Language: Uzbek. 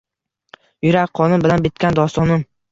Yurak qonim bilan bitgan dostonim